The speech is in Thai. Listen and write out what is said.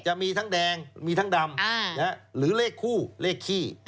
จะมีทั้งแดงมีทั้งดำหรือเลขคู่เลขขี้